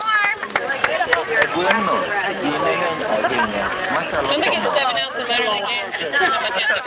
E gweng'no, ji ne ng'eny ahinya machalo thomorni